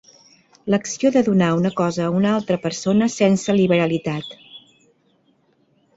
L'acció de donar una cosa a una altra persona sense liberalitat.